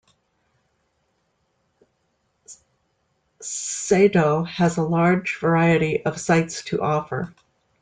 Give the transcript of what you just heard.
Sado has a large variety of sights to offer.